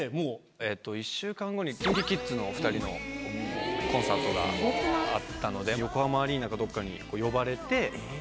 えっと１週間後にＫｉｎＫｉＫｉｄｓのお２人のコンサートがあったので横浜アリーナかどっかに呼ばれて。って言われて。